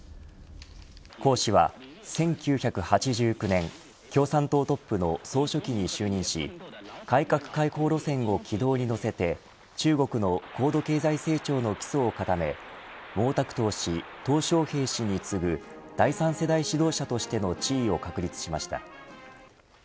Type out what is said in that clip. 江氏は１９８９年共産党トップの総書記に就任し改革開放路線を軌道に乗せて中国の高度経済成長の基礎を固め毛沢東氏、小平氏に次ぐ第３世代指導者としての地位を確立しました。